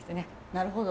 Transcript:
なるほど！